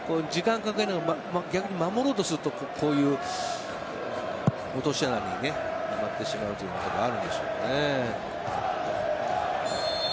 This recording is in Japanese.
逆に守ろうとするとこういう落とし穴にはまってしまうということがあるんでしょうね。